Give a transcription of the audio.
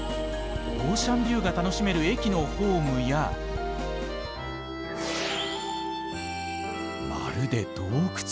オーシャンビューが楽しめる駅のホームやまるで洞窟！